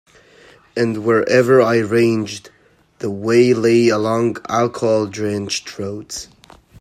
And wherever I ranged, the way lay along alcohol-drenched roads.